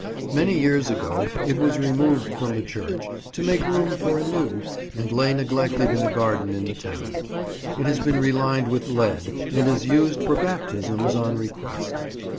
Many years ago it was removed from the church, to make room for a new, and lay neglected in a garden in the town. It has been re lined with lead, and is used for baptisms, on request.